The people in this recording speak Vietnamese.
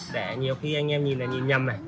để nhiều khi anh em nhìn là nhìn nhầm này